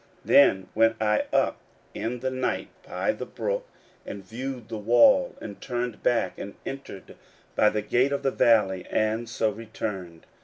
16:002:015 Then went I up in the night by the brook, and viewed the wall, and turned back, and entered by the gate of the valley, and so returned.